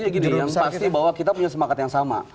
begini yang pasti bahwa kita punya semangat yang sama